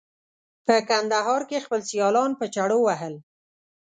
په کندهار کې یې خپل سیالان په چړو وهل.